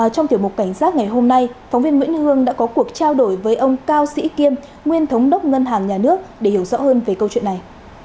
trong tiểu mục cảnh giác ngày hôm nay phóng viên nguyễn hương đã có cuộc trao đổi với ông cao sĩ kiêm nguyên thống đốc ngân hàng nhà nước để hiểu rõ hơn về câu chuyện này